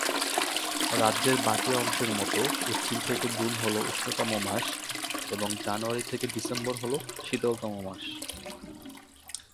রাজ্যের বাকি অংশের মত এপ্রিল থেকে জুন হল উষ্ণতম মাস এবং জানুয়ারি থেকে ডিসেম্বর হল শীতলতম মাস।